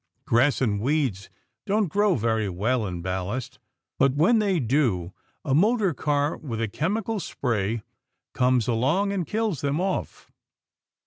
Grass and weeds don't grow very well in ballast, but when they do a motor car with a chemical spray comes along and kills them off.